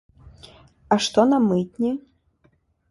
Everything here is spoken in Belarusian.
А што на мытні?